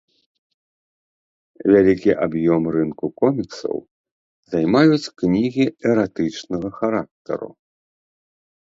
Вялікі аб'ем рынку коміксаў займаюць кнігі эратычнага характару.